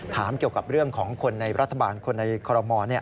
ถามเกี่ยวกับเรื่องของคนในรัฐบาลคนในคอรมอล